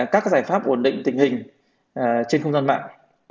các giải pháp ổn định tình hình trên không gian mạng